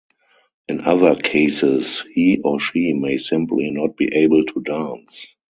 In other cases, he or she may simply not be able to dance.